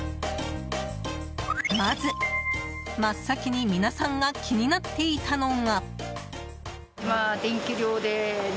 まず真っ先に皆さんが気になっていたのが。